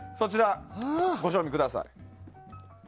ご賞味ください。